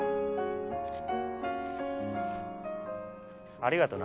ありがとな。